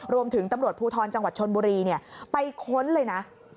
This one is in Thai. รวมถึงตำรวจภูทรจังหวัดชนบุรีไปค้นเลยนะ